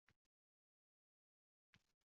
Fonetika - nutq tovushlari tizimi